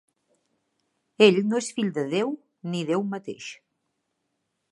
Ell no és el fill de Déu, ni Déu mateix.